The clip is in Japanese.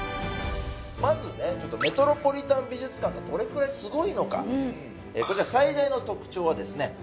まずねメトロポリタン美術館がどれくらいすごいのかこちら最大の特徴はですね